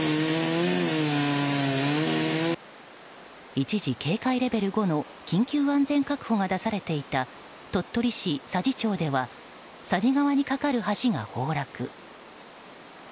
一時、警戒レベル５の緊急安全確保が出されていた鳥取市佐治町では佐治川にかかる橋が崩落。